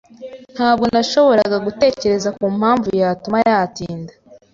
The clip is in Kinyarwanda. Ntabwo nashoboraga gutekereza kumpamvu yatuma yatinda.